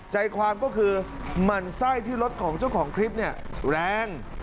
ใจความก็คือมันไส้ที่รถของเจ้าของคริปแรง